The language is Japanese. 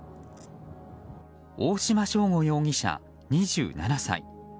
大島将吾容疑者、２７歳。